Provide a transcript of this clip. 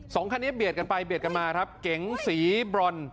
สองคันนี้เบียดกันไปเบียดกันมาครับเก๋งสีบรอน